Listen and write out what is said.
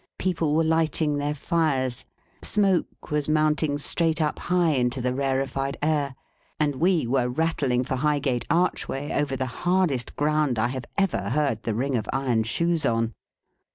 People were lighting their fires; smoke was mounting straight up high into the rarified air; and we were rattling for Highgate Archway over the hardest ground I have ever heard the ring of iron shoes on.